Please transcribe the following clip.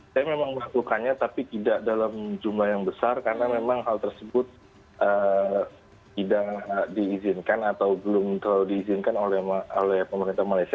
saya memang melakukannya tapi tidak dalam jumlah yang besar karena memang hal tersebut tidak diizinkan atau belum terlalu diizinkan oleh pemerintah malaysia